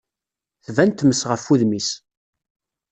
tban tmes ɣef wudem-is.